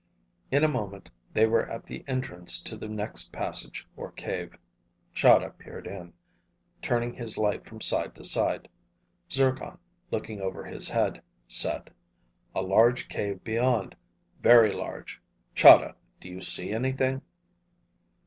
In a moment they were at the entrance to the next passage or cave. Chahda peered in, turning his light from side to side. Zircon, looking over his head, said, "A large cave beyond. Very large. Chahda, do you see anything?"